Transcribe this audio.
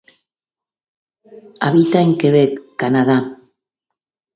Habita en Quebec Canadá.